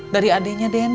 dari adenya denny